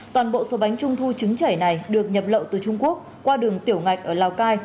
toàn bộ số bánh trung thu trứng chảy này được nhập lậu từ trung quốc qua đường tiểu ngạch ở lào cai